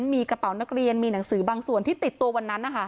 มีกระเป๋านักเรียนมีหนังสือบางส่วนที่ติดตัววันนั้น